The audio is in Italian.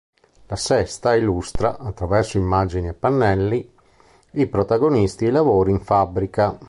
La sesta illustra, attraverso immagini e pannelli, i protagonisti e i lavori in fabbrica.